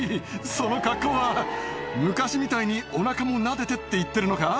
その格好は昔みたいにお腹もなでてって言ってるのか？